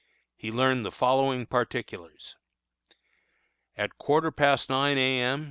He learned the following particulars: "At a quarter past nine A. M.